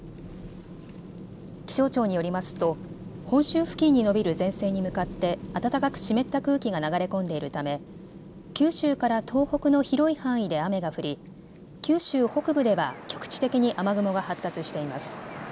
気象庁によりますと本州付近に延びる前線に向かって暖かく湿った空気が流れ込んでいるため九州から東北の広い範囲で雨が降り九州北部では局地的に雨雲が発達しています。